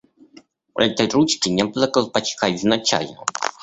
У этой ручки не было колпачка изначально.